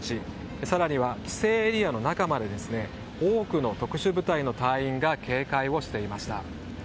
更には規制エリアの仲間で多くの特殊部隊の隊員が警戒をしていました。